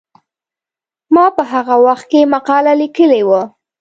ما په هغه وخت کې مقاله لیکلې وه.